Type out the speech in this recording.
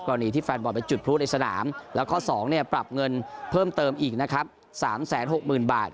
ที่แฟนบอลไปจุดพลุในสนามแล้วก็๒ปรับเงินเพิ่มเติมอีกนะครับ๓๖๐๐๐บาท